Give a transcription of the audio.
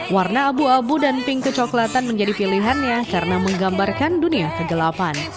warna abu abu dan pink kecoklatan menjadi pilihannya karena menggambarkan dunia kegelapan